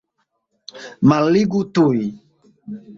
Malligu tuj!